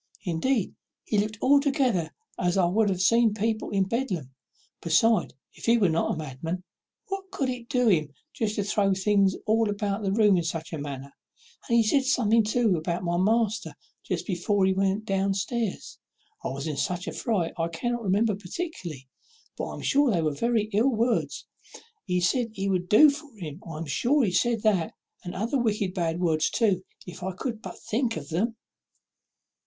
Indeed, he looked altogether as I have seen people in Bedlam; besides, if he was not a madman, what good could it do him to throw the things all about the room in such a manner? and he said something too about my master just before he went down stairs. I was in such a fright I cannot remember particularly, but I am sure they were very ill words; he said he would do for him I am sure he said that, and other wicked bad words too, if I could but think of them."